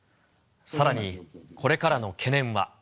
さらに、これからの懸念は。